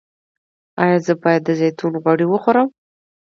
ایا زه باید د زیتون غوړي وخورم؟